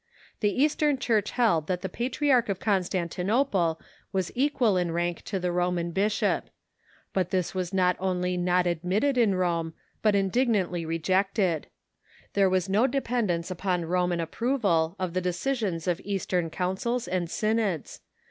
The Eastern Church held that the Patriarch of Constantinople was equal in rank to the Roman bishop. But this was not only not admitted in SCHISM BETWKEX THE EAST AMI THE WEST 145 Rome, but indignantly rejected. There was no dependence upon Roman apj^roval of the decisions of Eastern councils and synods.